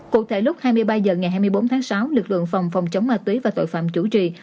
cụ thể lúc hai mươi ba h ngày hai mươi bốn tháng sáu lực lượng phòng phòng chống ma túy và tội phạm chủ trì